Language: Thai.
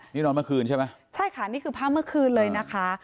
นี่นอนเมื่อคืนใช่ไหมใช่ค่ะนี่คือภาพเมื่อคืนเลยนะคะ